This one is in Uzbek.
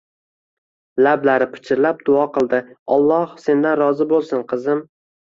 Lablari pichirlab duo qildi: «Alloh sendan rozi bo'lsin, qizim!»